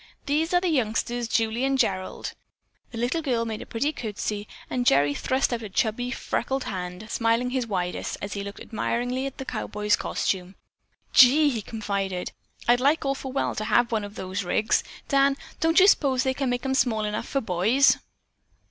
These are the youngsters, Julie and Gerald." The little girl made a pretty curtsy and Gerry thrust out a chubby, freckled hand, smiling his widest as he looked admiringly at the cowboy's costume. "Gee!" he confided, "I'd like awful well to have one of those rigs. Dan, don't you s'pose they make 'em small enough for boys?"